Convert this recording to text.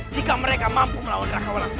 jika mereka mampu melawan raka walang susah